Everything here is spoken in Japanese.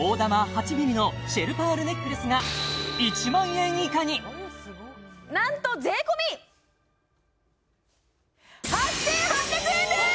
８ｍｍのシェルパールネックレスが１万円以下になんと税込８８００円です！